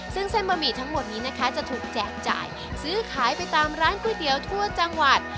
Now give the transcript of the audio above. ซึ่งเส้นบะหมี่ทั้งหมดนี้นะคะจะถูกแจกจ่ายซื้อขายไปตามร้านก๋วยเตี๋ยวทั่วจังหวัด